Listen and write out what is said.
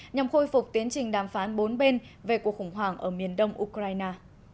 nhằm khôi phục tiến trình đàm phán bốn bên về cuộc khủng hoảng ở miền đông ukraine